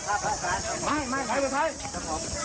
คุณผู้ชมรักกรรมโมอายุห้าสิบเก้าปี